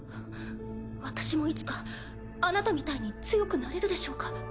私もいつかあなたみたいに強くなれるでしょうか？